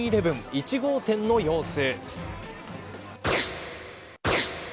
１号店の様子。